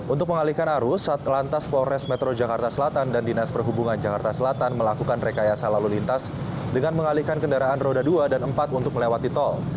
untuk mengalihkan arus saat lantas polres metro jakarta selatan dan dinas perhubungan jakarta selatan melakukan rekayasa lalu lintas dengan mengalihkan kendaraan roda dua dan empat untuk melewati tol